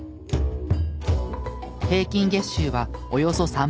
平均月収はおよそ３万円。